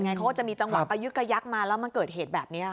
เขาก็จะมีจังหวะกระยึกกระยักมาแล้วมันเกิดเหตุแบบนี้ค่ะ